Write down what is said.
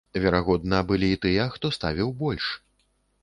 Верагодна, былі і тыя, хто ставіў больш.